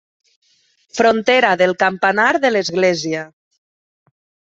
Frontera del campanar de l'església.